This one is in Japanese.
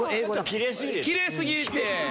きれいすぎて。